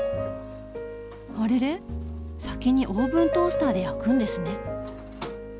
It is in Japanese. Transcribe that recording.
あれれ⁉先にオーブントースターで焼くんですね。